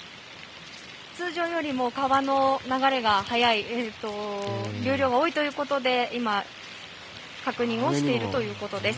通常よりも川の流れが速い流量が多いということで今確認をしているということです。